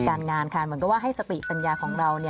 การงานค่ะเหมือนกับว่าให้สติปัญญาของเรา